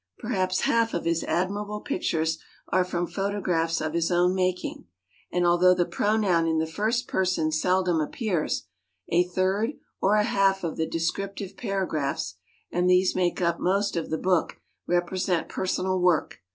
Perhaps half of his admirable pictures are from photographs of his own making, and although the pronoun in the tirst person seldom appears, a third or a half of the descriptive paragraphs— and these make up most of the book — represent personal work.